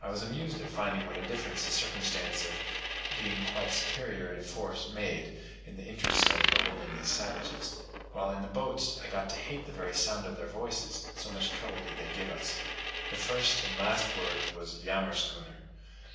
I was amused at finding what a difference the circumstance of being quite superior in force made, in the interest of beholding these savages. While in the boats I got to hate the very sound of their voices, so much trouble did they give us. The first and last word was "yammerschooner."